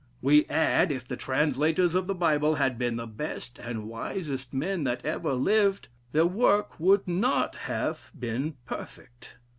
We add, if the translators of the Bible had been the best and wisest men that ever lived, their work would not have been perfect.